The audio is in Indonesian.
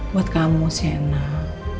buat kamu sianah